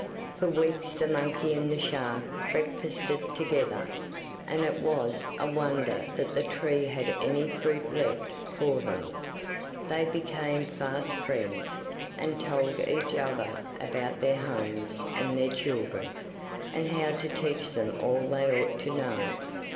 For weeks the monkey and the shark breakfasted together, and it was a wonder that the tree had any fruit left for them. They became fast friends, and told each other about their homes and their children, and how to teach them all they ought to know.